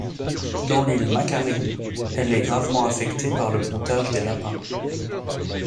Dans l'île Macquarie, elle est gravement affectée par le broutage des lapins.